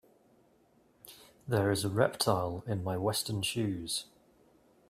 There is a reptile in my western shoes.